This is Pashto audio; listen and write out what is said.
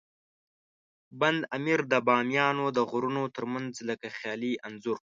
بند امیر د بامیانو د غرونو ترمنځ لکه خیالي انځور.